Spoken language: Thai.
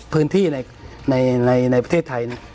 พื้นที่ในประเทศไทย